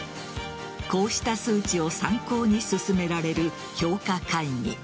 こうした数値を参考に進められる評価会議。